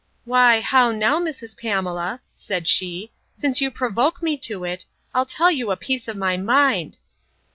Why, how now, Mrs. Pamela, said she; since you provoke me to it, I'll tell you a piece of my mind.